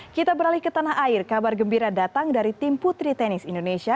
kita beralih ke tanah air kabar gembira datang dari tim putri tenis indonesia